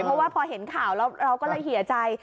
เพราะว่าพอเห็นข่าวแล้วเราก็เลยเหี่ยใจ